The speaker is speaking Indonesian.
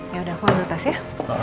yaudah aku ambil tas ya